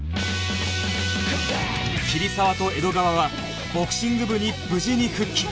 桐沢と江戸川はボクシング部に無事に復帰